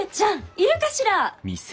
いるかしら？